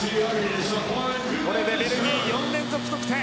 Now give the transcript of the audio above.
これでベルギー、４連続得点。